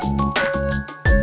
yaudah nggak apa apa